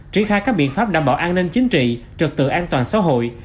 triển khai các biện pháp đảm bảo an ninh chính trị trực tự an toàn xã hội